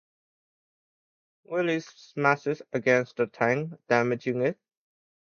Willy smashes against the tank, damaging it.